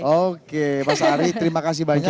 oke mas ari terima kasih banyak mas ari